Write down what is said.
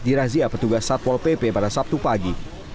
dirazia petugas satpol pp pada sabtu pagi